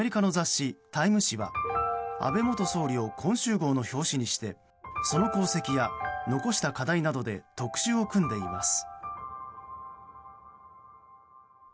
誌は安倍元総理を今週号の表紙にしてその功績や残した課題などで特集を組んでいます。